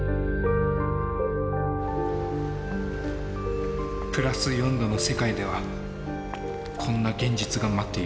プラス４℃の世界ではこんな現実が待っているんだ。